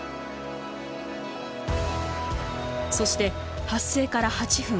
そして発生から８分。